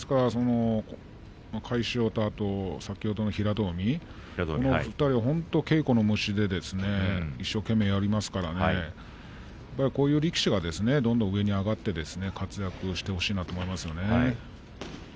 魁勝と先ほどの平戸海２人は本当に稽古の虫で一生懸命やりますからこういう力士がどんどん上に上がってですね活躍してほしいなと思いますね。